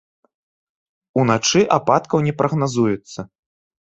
Уначы ападкаў на прагназуецца.